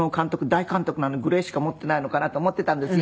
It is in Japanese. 大監督なのにグレーしか持っていないのかなと思っていたんですよ